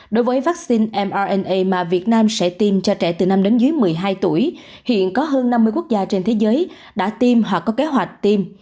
đối với vaccine m mà việt nam sẽ tiêm cho trẻ từ năm đến dưới một mươi hai tuổi hiện có hơn năm mươi quốc gia trên thế giới đã tiêm họ có kế hoạch tiêm